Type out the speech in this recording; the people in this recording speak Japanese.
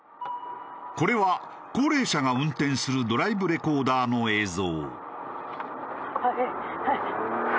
これは高齢者が運転するドライブレコーダーの映像。